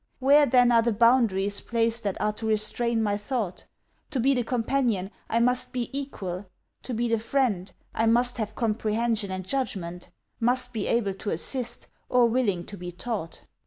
Where, then, are the boundaries placed that are to restrain my thought? To be the companion, I must be equal To be the friend, I must have comprehension and judgment: must be able to assist, or willing to be taught.